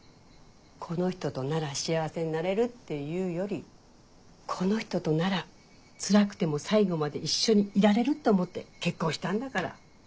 この人となら幸せになれるっていうよりこの人とならつらくても最後まで一緒にいられるって思って結婚したんだから。